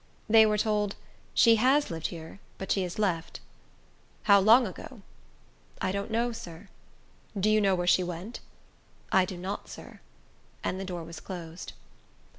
They were told, "She has lived here, but she has left." "How long ago?" "I don't know, sir." "Do you know where she went?" "I do not, sir." And the door was closed.